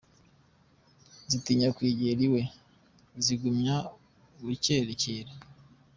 " Zitinya kugera iwe, zigumya gukerakera.